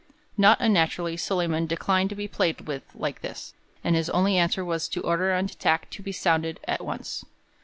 Not unnaturally Solyman declined to be played with like this, and his only answer was to order an attack to be sounded at once.